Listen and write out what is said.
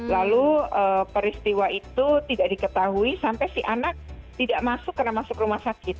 lalu peristiwa itu tidak diketahui sampai si anak tidak masuk karena masuk rumah sakit